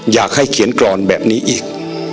อยากให้เขียนกรอนแบบนี้อีก